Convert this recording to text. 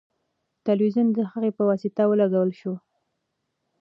تلویزیون د هغې په واسطه ولګول شو.